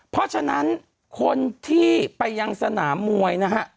เพราะฉะนั้นคนที่ไปยังสนามมวยนะฮะ